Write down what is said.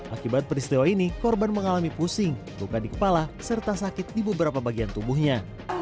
akibat peristiwa ini korban mengalami pusing luka di kepala serta sakit di beberapa bagian tubuhnya